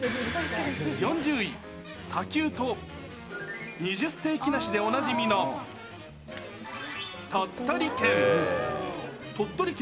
４０位、砂丘と二十世紀梨でおなじみの鳥取県。